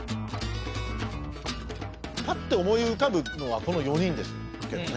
パッて思い浮かぶのはこの４人ですけどね。